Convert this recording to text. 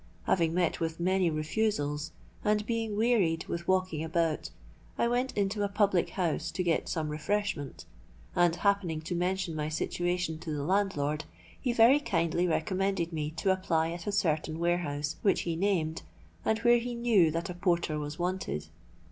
Having met with many refusals, and being wearied with walking about, I went into a public house to get some refreshment; and happening to mention my situation to the landlord, he very kindly recommended me to apply at a certain warehouse which he named and where he knew that a porter was wanted.